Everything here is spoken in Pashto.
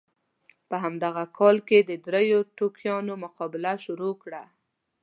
په همدغه کال کې دریو ټوکیانو مقابله شروع کړه.